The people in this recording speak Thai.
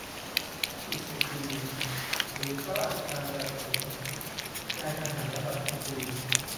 ยี่สิบ ปี หรือ ข้าราชการระดับสูง นายทหารระดับพลตรี